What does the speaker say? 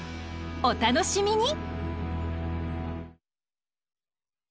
お楽しみに！